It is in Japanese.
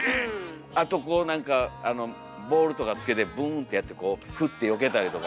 あとこうなんかボールとかつけてブーンとやってこうフッとよけたりとか。